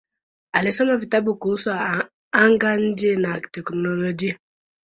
Alisoma vitabu kuhusu anga-nje na teknolojia.